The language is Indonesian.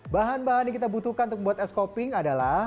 bahan bahan yang kita butuhkan untuk membuat es koping adalah